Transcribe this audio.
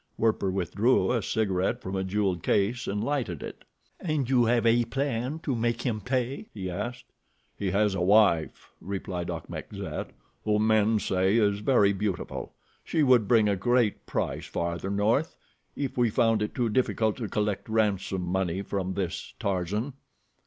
Werper withdrew a cigaret from a jeweled case and lighted it. "And you have a plan to make him pay?" he asked. "He has a wife," replied Achmet Zek, "whom men say is very beautiful. She would bring a great price farther north, if we found it too difficult to collect ransom money from this Tarzan."